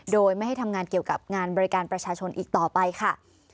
โดยไม่ให้ทำงานเกี่ยวกับงานบริการประชาชนอีกต่อไปค่ะ